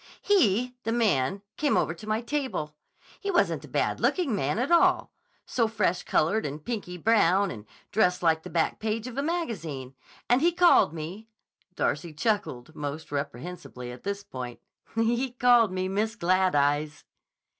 "He—the man—came over to my table. He wasn't a bad looking man at all; so freshcolored and pinky brown, and dressed like the back page of a magazine. And he called me"—Darcy chuckled most reprehensibly at this point—"he called me Miss Glad Eyes."